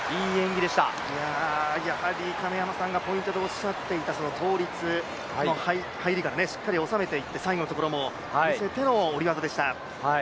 やはり亀山さんがポイントとおっしゃっていたその倒立、入りがしっかりおさめていって、最後のところ、見せての下り技でした。